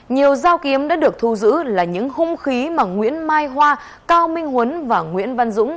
nhiều dao kiếm đã được thu giữ là những hung khí mà nguyễn mai hoa cao minh huấn và nguyễn văn dũng